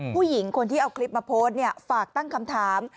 ผู้หญิงคนที่เอาคลิปมาโพสต์ฝากตั้งคำถาม